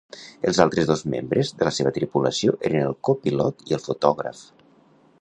Els altres dos membres de la seva tripulació eren el copilot i el fotògraf.